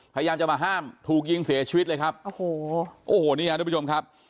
พยายามจะมาห้ามถูกยิงเสียชีวิตเลยครับโอ้โหโอ้โหนี่ฮะทุกผู้ชมครับ